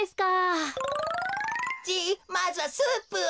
じいまずはスープを。